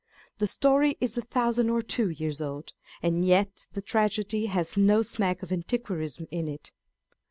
The story is a thousand or two years old, and yet the tragedy has no smack of antiquarianism in it.